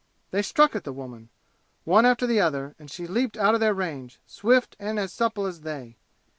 They struck at the woman, one after the other, and she leaped out of their range, swift and as supple as they.